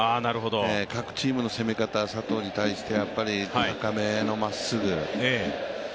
各チームの攻め方、佐藤に対してはやっぱり高めのまっすぐ。